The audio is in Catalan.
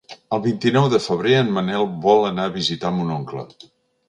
El vint-i-nou de febrer en Manel vol anar a visitar mon oncle.